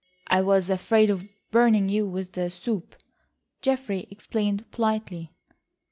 "I was afraid of burning you with the soup," Geoffrey explained politely.